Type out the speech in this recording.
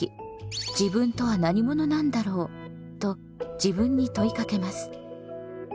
「自分とは何者なんだろう？」と自分に問いかけます。